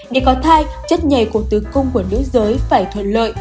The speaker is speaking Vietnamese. để có thai chất nhảy của tử cung của nước giới phải thuận lợi